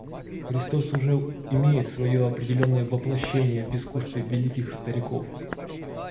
Христос уже имеет свое определенное воплощение в искусстве великих стариков.